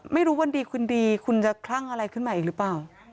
ไม่รู้วันดีคืนดีคุณจะคลั่งอะไรขึ้นมาอีกหรือเปล่า